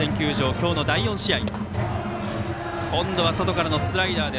今日の第４試合。